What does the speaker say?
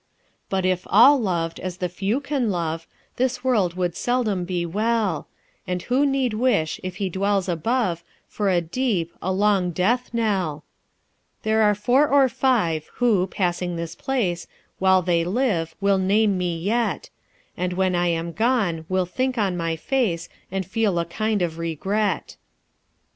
"But if all loved, as the few can love, This world would seldom be well; And who need wish, if he dwells above, For a deep, a long death knell? "There are four or five, who, passing this place, While they live will name me yet; And when I am gone will think on my face, And feel a kind of regret."